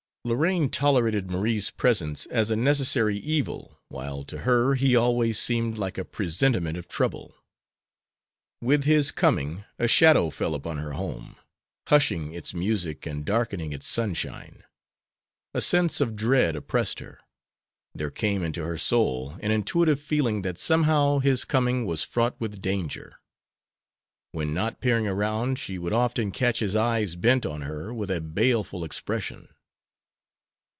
Lorraine tolerated Marie's presence as a necessary evil, while to her he always seemed like a presentiment of trouble. With his coming a shadow fell upon her home, hushing its music and darkening its sunshine. A sense of dread oppressed her. There came into her soul an intuitive feeling that somehow his coming was fraught with danger. When not peering around she would often catch his eyes bent on her with a baleful expression.